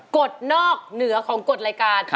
กฎนอกเหนือของกฎรายการ